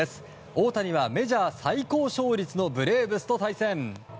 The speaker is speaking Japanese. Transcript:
大谷はメジャー最高勝率のブレーブスと対戦。